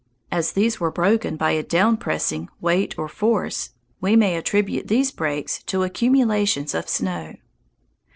As these were broken by a down pressing weight or force, we may attribute these breaks to accumulations of snow.